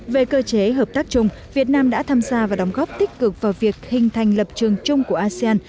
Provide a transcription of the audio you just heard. về cơ chế hợp tác chung việt nam đã tham gia và đóng góp tích cực vào việc hình thành lập trường chung của asean